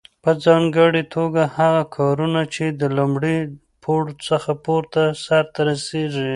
په ځانګړي توګه هغه کارونه چې له لومړي پوړ څخه پورته سرته رسیږي.